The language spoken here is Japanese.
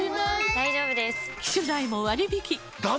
大丈夫です！